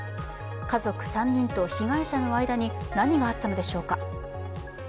家族３人と被害者の間に何があったのでしょうか。